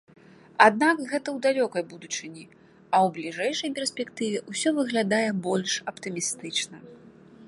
Аднак гэта ў далёкай будучыні, а ў бліжэйшай перспектыве ўсё выглядае больш аптымістычна.